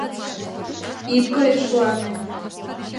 Ит койышлане.